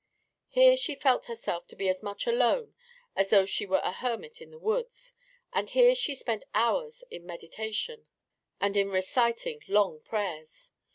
Here she felt herself to be as much alone as though she were a hermit in the woods, and here she spent hours in meditation and in reciting long prayers.